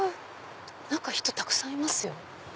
中人たくさんいますよ。